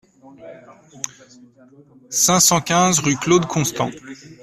cinq cent quinze rue Claude Constant